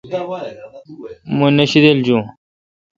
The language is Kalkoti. مہ نہ شیدل جوُن۔